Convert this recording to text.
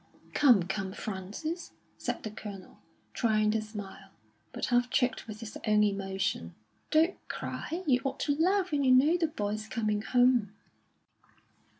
"Come, come, Frances," said the Colonel, trying to smile, but half choked with his own emotion, "don't cry! You ought to laugh when you know the boy's coming home."